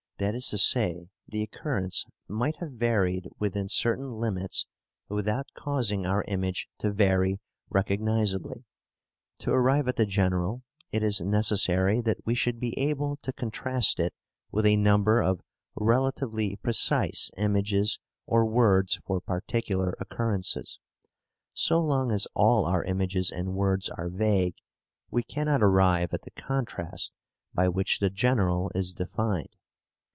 That is to say, the occurrence might have varied within certain limits without causing our image to vary recognizably. To arrive at the general it is necessary that we should be able to contrast it with a number of relatively precise images or words for particular occurrences; so long as all our images and words are vague, we cannot arrive at the contrast by which the general is defined.